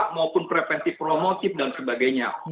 maupun prevensi promotif dan sebagainya